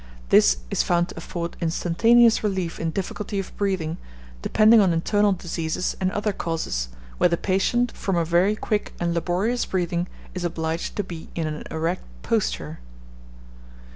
This is found to afford instantaneous relief in difficulty of breathing, depending on internal diseases and other causes, where the patient, from a very quick and laborious breathing, is obliged to be in an erect posture.